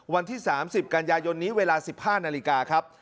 วันที่๓๐กันยายนนี้เวลา๑๕นาฬิกาครับ